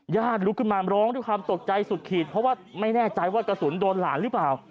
ลุกขึ้นมาร้องด้วยความตกใจสุดขีดเพราะว่าไม่แน่ใจว่ากระสุนโดนหลานหรือเปล่า